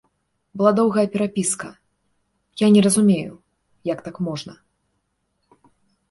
Была доўгая перапіска, я не разумею, як так можна.